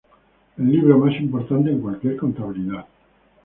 El libro más importante en cualquier contabilidad.